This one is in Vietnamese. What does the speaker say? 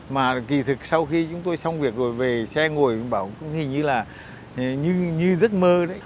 mà kỳ thực sau khi chúng tôi xong việc rồi về xe ngồi mình bảo cũng hình như là như giấc mơ đấy